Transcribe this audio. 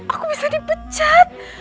aku bisa dipecat